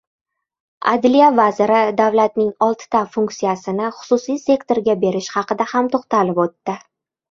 Adliya vaziri davlatning oltita funksiyasini xususiy sektorga berish haqida ham to‘xtalib o‘tdi.